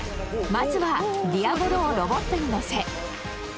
まずはディアボロをロボットにのせ。